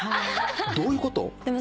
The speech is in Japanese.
どういうこと？